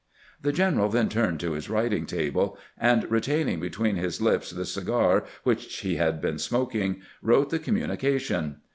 The general then turned to his writing table, and retaining between his lips the cigar which he had been smoking, wrote the communication.